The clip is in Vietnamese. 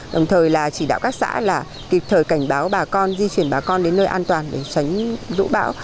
đồng thời là chỉ đạo các xã là kịp thời cảnh báo bà con di chuyển bà con đến nơi an toàn để tránh lũ bão